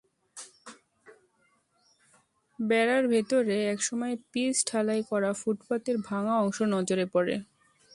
বেড়ার ভেতরে একসময়ের পিচ ঢালাই করা ফুটপাতের ভাঙা অংশ নজরে পড়ে।